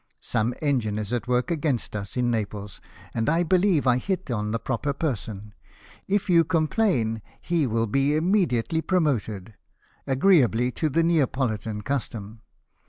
Some engine is at work against us in Naples ; and I believe I hit on the proper person. If you complain he will be immediately promoted — agreeably to the Neapolitan custom.